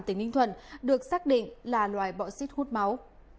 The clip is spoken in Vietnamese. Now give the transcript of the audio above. tỉnh ninh thuận được xác định là loài bọ xít hút máu